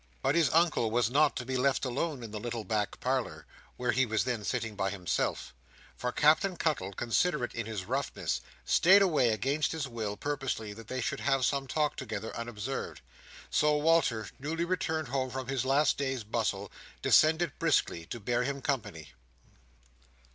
But his Uncle was not to be left alone in the little back parlour, where he was then sitting by himself; for Captain Cuttle, considerate in his roughness, stayed away against his will, purposely that they should have some talk together unobserved: so Walter, newly returned home from his last day's bustle, descended briskly, to bear him company.